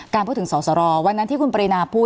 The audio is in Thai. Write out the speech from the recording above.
พูดถึงสอสรวันนั้นที่คุณปรินาพูด